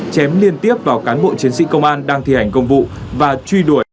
chém liên tiếp vào cán bộ chiến sĩ công an đang thi hành công vụ và truy đuổi